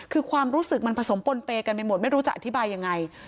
คือความรู้สึกมันผสมปนเปย์กันไปหมดไม่รู้จะอธิบายยังไง